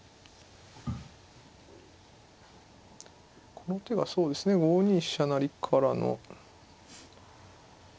この手はそうですね５二飛車成からの。